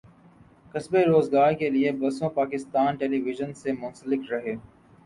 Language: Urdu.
کسبِ روزگارکے لیے برسوں پاکستان ٹیلی وژن سے منسلک رہے